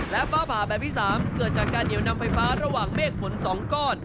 และฟ้าผ่าแบบที่๓เกิดจากการเหนียวนำไฟฟ้าระหว่างเมฆฝน๒ก้อน